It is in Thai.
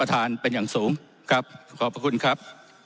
รับขอบคุณนะครับ